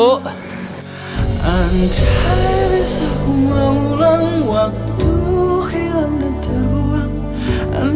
bukankah aku mau ulang waktu hilang dan terbuang